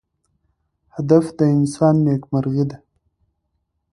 هدف د انسان نیکمرغي ده.